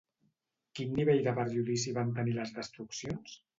Quin nivell de perjudici van tenir les destruccions?